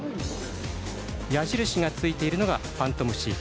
矢印がついているのがファントムシーフ。